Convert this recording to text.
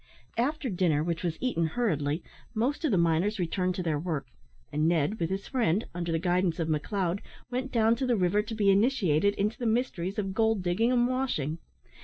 After dinner, which was eaten hurriedly, most of the miners returned to their work, and Ned with his friend; under the guidance of McLeod, went down to the river to be initiated into the mysteries of gold digging and washing.